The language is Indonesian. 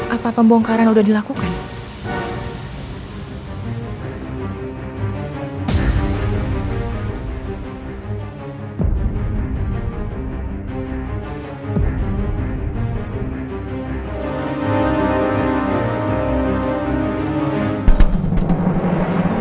apa pembongkaran udah dilakukan